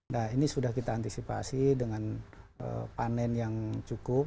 nah ini sudah kita antisipasi dengan panen yang cukup